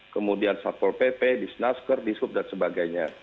kemudian satpol pp disnasker dishub dan sebagainya